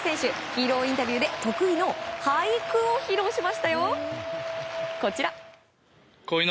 ヒーローインタビューで得意の俳句を披露しましたよ。